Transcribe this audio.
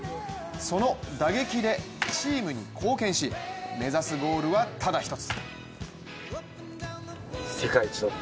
その打撃でチームに貢献し、目指すゴールはただ一つ。